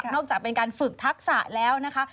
จากเป็นการฝึกทักษะแล้วนะคะ